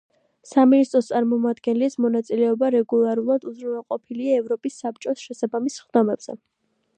სამინისტროს წარმომადგენლის მონაწილეობა რეგულარულად უზრუნველყოფილია ევროპის საბჭოს შესაბამის სხდომებზე.